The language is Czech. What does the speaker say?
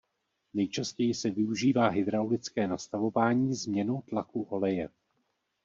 Nejčastěji se využívá hydraulické nastavování změnou tlaku oleje.